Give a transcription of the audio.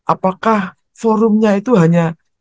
apakah forumnya itu hanya